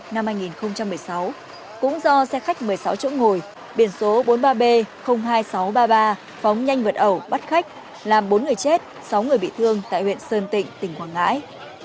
năm hai nghìn một mươi sáu cũng do xe khách một mươi sáu chỗ ngồi biển số bốn mươi ba b hai nghìn sáu trăm ba mươi ba phóng nhanh vượt ẩu bắt khách làm bốn người chết sáu người bị thương tại huyện sơn tịnh tỉnh quảng ngãi